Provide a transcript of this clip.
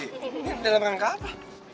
ini dalam rangka apa